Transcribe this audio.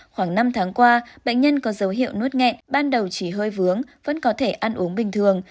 khoảng năm tháng qua bệnh nhân có dấu hiệu nuốt nhẹ ban đầu chỉ hơi vướng vẫn có thể ăn uống bình thường